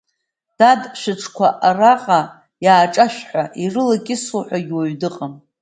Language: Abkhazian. Дад, шәыҽқәа араҟа иааҿашәҳәа, ирылакьысуа ҳәагьы уаҩ дыҟам!